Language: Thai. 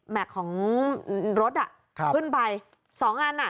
แมคของอืมรถอ่ะครับขึ้นไปสองอันอ่ะ